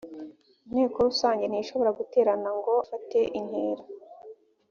inteko rusange ntishobora guterana ngo ifateintera